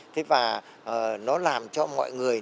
thế và nó làm cho mọi người